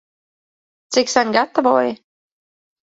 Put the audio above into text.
Cik sen gatavoji?